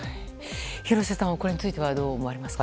廣瀬さんはこれについてはどう思われますか？